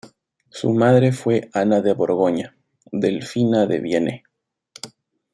Su madre fue Ana de Borgoña, delfina de Vienne.